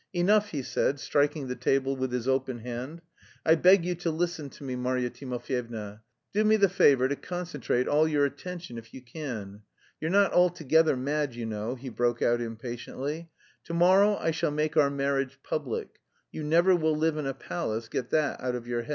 "Enough," he said, striking the table with his open hand. "I beg you to listen to me, Marya Timofyevna. Do me the favour to concentrate all your attention if you can. You're not altogether mad, you know!" he broke out impatiently. "Tomorrow I shall make our marriage public. You never will live in a palace, get that out of your head.